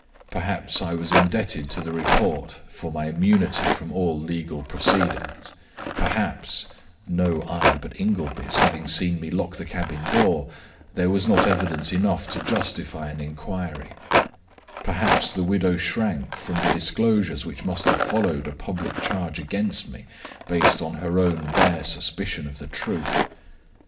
Perhaps I was indebted to the report for my immunity from all legal proceedings; perhaps (no eye but Ingleby's having seen me lock the cabin door) there was not evidence enough to justify an inquiry; perhaps the widow shrank from the disclosures which must have followed a public charge against me, based on her own bare suspicion of the truth.